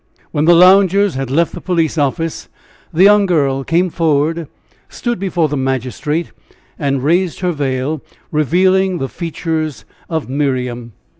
When the loungers had left the police office the young girl came forward, stood before the magistrate, and raised her veil, revealing the features of Miriam.